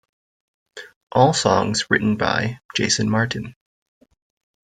All songs written by Jason Martin.